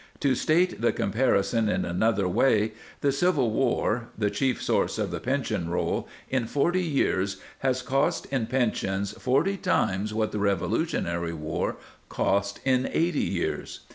To state the comparison in another way, the Civil War (the chief source of the pension roll) in forty years has cost in pensions forty times what the Revolutionary War cost in eighty years.